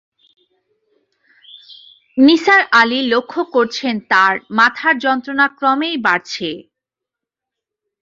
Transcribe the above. নিসার আলি লক্ষ করছেন তাঁর মাথার যন্ত্রণা ক্রমেই বাড়ছে।